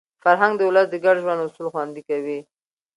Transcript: فرهنګ د ولس د ګډ ژوند اصول خوندي کوي.